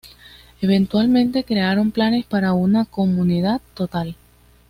Eventualmente crearon planes para una "comunidad total".